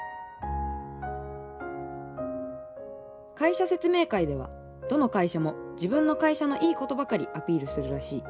会社説明会ではどの会社も自分の会社のいいことばかりアピールするらしい。